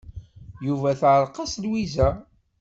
Yuba teɛreq-as Lwiza.